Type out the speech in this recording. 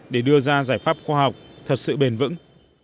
để đưa ra giải pháp khoa học thật sự bền vững